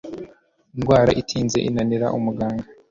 indwara itinze, inanira muganga